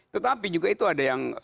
tetapi juga itu ada yang